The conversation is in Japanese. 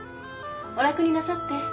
お楽になさって。